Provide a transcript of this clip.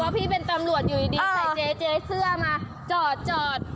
พี่เป็นตำรวจอยู่ดีใส่เจ๊เสื้อมาจอด